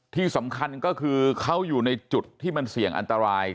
ที่สำคัญก็คือเขาอยู่ในจุดที่มันเสี่ยงอันตราย